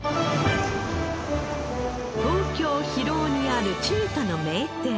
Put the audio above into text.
東京広尾にある中華の名店。